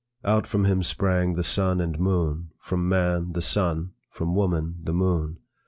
Out from him sprang the sun and moon; from man, the sun; from woman, the moon.